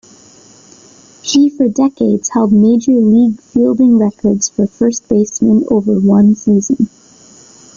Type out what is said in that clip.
He for decades held major league fielding records for first basemen over one season.